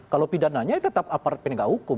kalau pidananya tetap apartmen enggak hukum